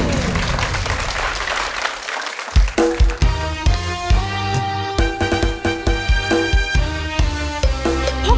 มีความรักมีความรัก